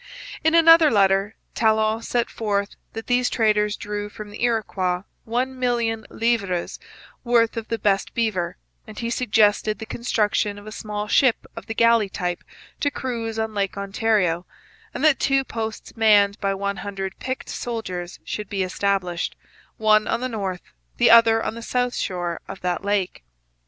In another letter Talon set forth that these traders drew from the Iroquois 1,000,000 livres' worth of the best beaver, and he suggested the construction of a small ship of the galley type to cruise on Lake Ontario, and that two posts manned by one hundred picked soldiers should be established, one on the north, the other on the south shore of that lake.